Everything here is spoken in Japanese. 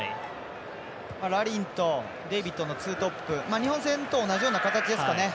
ラリンとデイビットのツートップ、日本戦と同じような形ですかね。